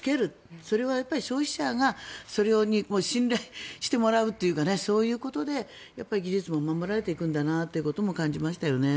それは消費者に信頼してもらうというかそういうことで技術も守られていくんだなということも感じましたよね。